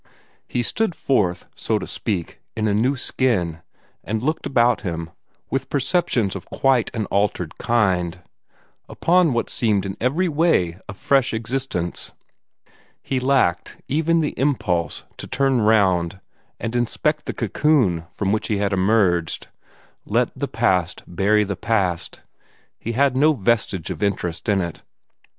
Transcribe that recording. He stood forth, so to speak, in a new skin, and looked about him, with perceptions of quite an altered kind, upon what seemed in every way a fresh existence. He lacked even the impulse to turn round and inspect the cocoon from which he had emerged. Let the past bury the past. He had no vestige of interest in it.